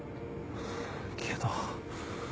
けど。